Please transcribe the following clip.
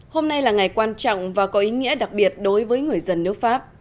hôm nay là ngày quan trọng và có ý nghĩa đặc biệt đối với người dân nước pháp